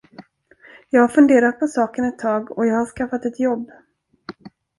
Jag har funderat på saken ett tag och jag har skaffat ett jobb.